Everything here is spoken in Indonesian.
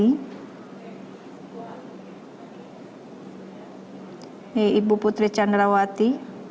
ini ibu putri candrawati